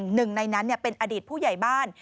หนึ่งในนั้นเป็นอดีตผู้ใหญ่บ้าน